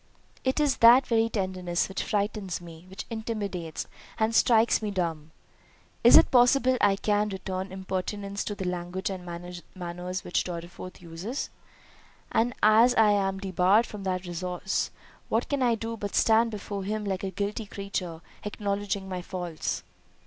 "It is that very tenderness which frightens me; which intimidates, and strikes me dumb. Is it possible I can return impertinence to the language and manners which Mr. Dorriforth uses? and as I am debarred from that resource, what can I do but stand before him like a guilty creature, acknowledging my faults."